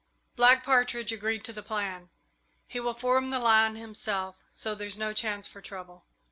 Black Partridge agreed to the plan. He will form the line himself, so there's no chance for trouble."